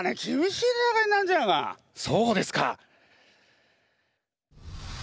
そうですか。